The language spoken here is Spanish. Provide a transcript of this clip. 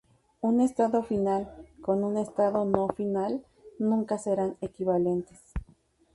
Un estado final con un estado no-final nunca serán equivalentes.